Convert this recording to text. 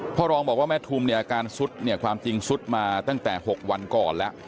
พ่อรองบอกว่าแม่ทุมเนี่ยอาการสุดเนี่ยความจริงซุดมาตั้งแต่๖วันก่อนแล้ว